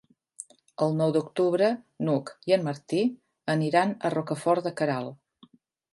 El nou d'octubre n'Hug i en Martí aniran a Rocafort de Queralt.